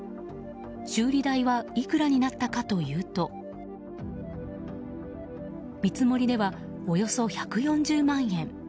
修理代はいくらになったかというと見積もりでは、およそ１４０万円。